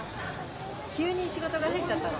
急に仕事が入っちゃったの。